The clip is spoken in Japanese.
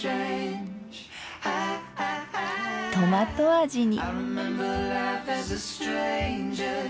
トマト味に。